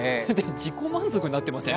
自己満足になってません？